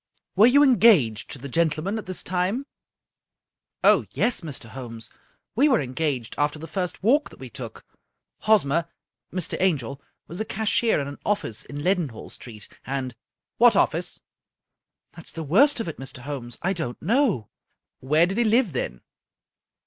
" Were you engaged to the gentleman at this time ?"" Oh, yes, Mr. Holmes. We were engaged after the first walk that we took. Hosmer — Mr. Angel — ^was a cashier in an office in Leadenhall Street — ^and '' "What office?" " That's the worst of it, Mr. Holmes ; I don't know." "Where did he live, then?"